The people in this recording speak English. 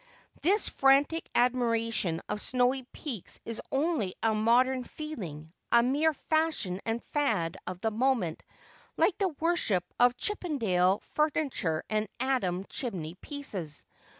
' This frantic admi ration of snow peaks is only a modern feeling, a mere fashion and fad of the moment, like the worship of Chippendale furni ture and Adam chimney pieces.